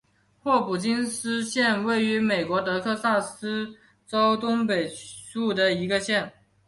霍普金斯县位美国德克萨斯州东北部的一个县。